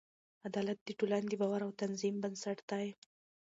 عدالت د ټولنې د باور او نظم بنسټ دی.